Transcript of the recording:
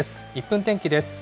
１分天気です。